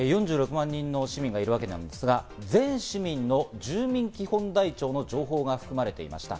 ４６万人の市民がいるわけですが、全市民の住民基本台帳の情報が含まれていました。